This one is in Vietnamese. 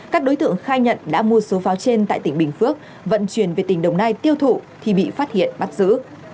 các đối tượng khai nhận đã mua số pháo trên tại tỉnh bình phước vận chuyển về tỉnh đồng nai tiêu thụ thì bị phát hiện bắt giữ